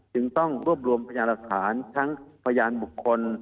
จึงต้องรวบรวมพยานหลักฐานทั้งพยานบุคคล